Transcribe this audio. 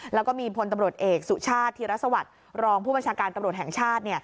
แล้วก็มีพลตำรวจเอกสุชาติธีรสวัสดิ์รองผู้บัญชาการตำรวจแห่งชาติ